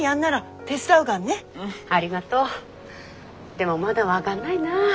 でもまだ分かんないな。